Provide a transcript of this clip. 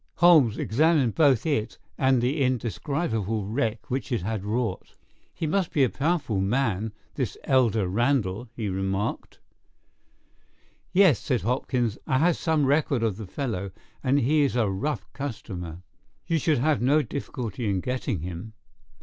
Holmes examined both it and the indescribable wreck which it had wrought. "He must be a powerful man, this elder Randall," he remarked. "Yes," said Hopkins. "I have some record of the fellow, and he is a rough customer." "You should have no difficulty in getting him."